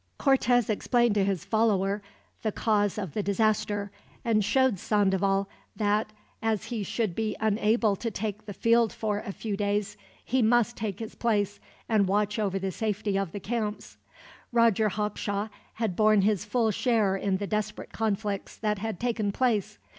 Cortez explained to his follower the cause of the disaster, and told Sandoval that, as he should be unable to take the field for a few days, he must take his place, and watch over the safety of the camps. Roger Hawkshaw had borne his full share in the desperate conflicts that had taken place.